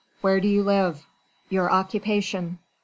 "Where do you live?" "Your occupation?"